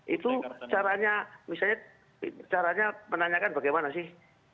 itu caranya misalnya caranya menanyakan bagaimana sih